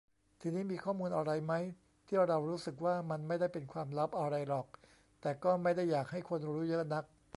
ทีนี้ มีข้อมูลอะไรมั๊ย ที่เรารู้สึกว่า มันไม่ได้เป็นความลับอะไรหรอก แต่ก็ไม่ได้อยากให้คนรู้เยอะนัก